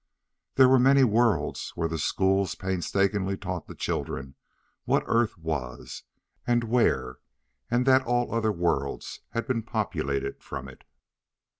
There were many worlds where the schools painstakingly taught the children what Earth was, and where, and that all other worlds had been populated from it.